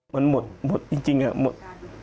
มันหมดหมดจริงหมด